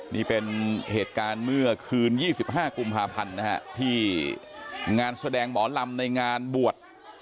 นี่เป็นเหตุการณ์เมื่อคืน๒๕กุมภาพันธ์นะฮะที่งานแสดงหมอลำในงานบวช